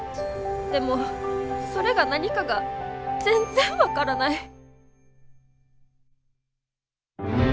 でもそれが何かが全然分からない。